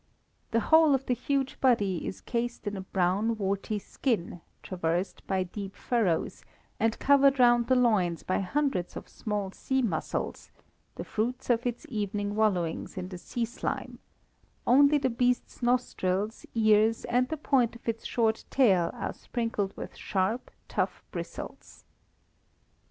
The whole of the huge body is cased in a brown warty skin, traversed by deep furrows, and covered round the loins by hundreds of small sea mussels, the fruits of its evening wallowings in the sea slime; only the beast's nostrils, ears, and the point of its short tail are sprinkled with sharp, tough bristles.